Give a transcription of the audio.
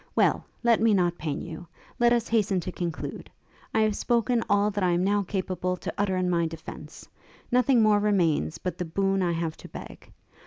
Well! let me not pain you. Let us hasten to conclude. I have spoken all that I am now capable to utter of my defence; nothing more remains but the boon I have to beg.